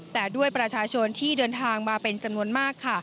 แต่ด้วยประชาชนที่เดินทางมาเป็นจำนวนมากค่ะ